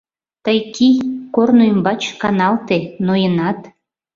Тый кий, корно ӱмбач каналте, ноенат.